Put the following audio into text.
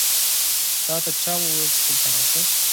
تاته چا وویل چې دلته راشه؟